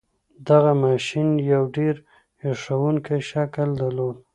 دغه ماشين يو ډېر هیښوونکی شکل درلود.